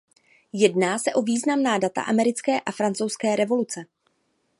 Jedná se o významná data americké a francouzské revoluce.